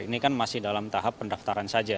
ini kan masih dalam tahap pendaftaran saja